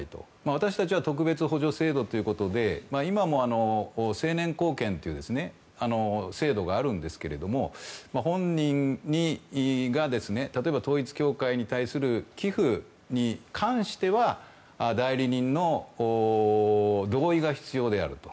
私たちは特別補助制度ということで今も、成年後見という制度があるんですが本人が例えば統一教会に対する寄付に関しては代理人の同意が必要であると。